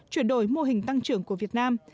chuyển đổi mô hình tăng trưởng của việt nam